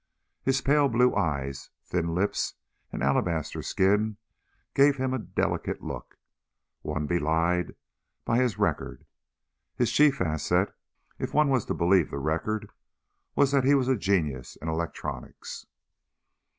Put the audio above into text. His pale blue eyes, thin lips and alabaster skin gave him a delicate look one belied by his record. His chief asset if one was to believe the record was that he was a genius in electronics.